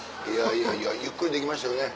いやいやゆっくりできましたよね